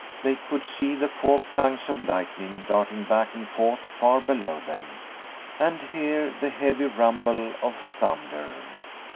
They could see the forked tongues of lightning darting back and forth far below them, and hear the heavy rumble of thunder.